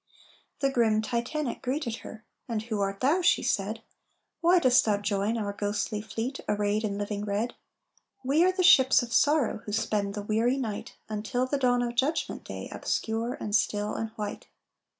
The grim Titanic greeted her. "And who art thou?" she said; "Why dost thou join our ghostly fleet Arrayed in living red? We are the ships of sorrow Who spend the weary night, Until the dawn of Judgment Day, Obscure and still and white."